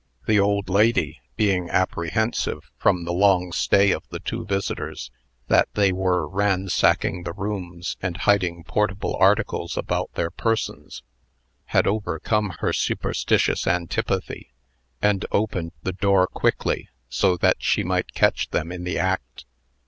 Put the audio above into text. The old lady, being apprehensive, from the long stay of the two visitors, that they were ransacking the rooms and hiding portable articles about their persons, had overcome her superstitious antipathy, and opened the door quickly, so that she might catch them in the act.